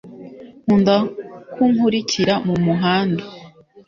nkunda kunkurikira mumuhanda